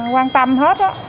quan tâm hết